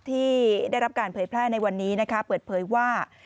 ที่ได้รับการเผยแพร่ในวันนี้นะคะเปิดเผยว่า